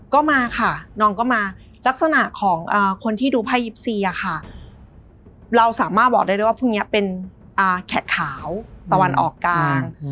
ก็มาค่ะน้องก็มาลักษณะของคนที่ดูไพ่๒๔ค่ะเราสามารถบอกได้เลยว่าพรุ่งนี้เป็นแขกขาวตะวันออกกลาง